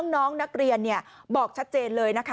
น้องนักเรียนบอกชัดเจนเลยนะคะ